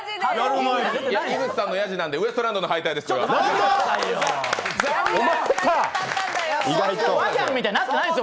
井口さんのやじなんでウエストランドの敗退でございます。